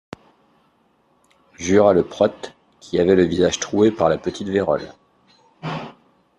Jura le prote, qui avait le visage troué par la petite vérole.